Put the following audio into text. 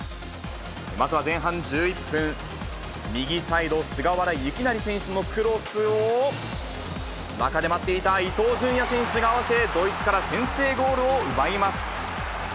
まずは前半１１分、右サイド、菅原由勢選手のクロスを、中で待っていた伊東純也選手が合わせ、ドイツから先制ゴールを奪います。